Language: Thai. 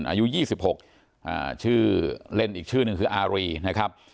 อายุยี่สิบหกอ่าชื่อเล่นอีกชื่อนึงคืออารีนะครับ